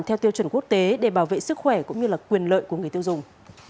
theo tiêu chuẩn quốc tế để bảo vệ sức khỏe cũng như quyền lợi của người tiêu dùng